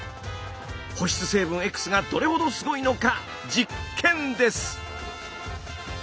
保湿成分Ｘがどれほどすごいのか実験です！